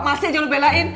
masih aja lu belain